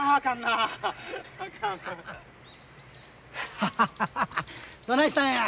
ハハハハハどないしたんや？